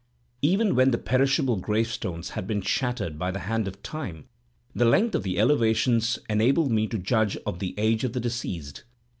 Even where the perishable gravestones had been shattered by the hand of time, the length of the elevations enabled me to judge of the age of the deceased.